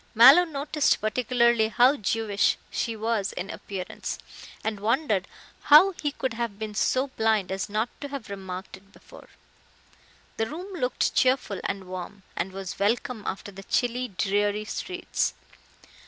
Mallow noticed particularly how Jewish she was in appearance, and wondered how he could have been so blind as not to have remarked it before. The room looked cheerful and warm, and was welcome after the chilly, dreary streets.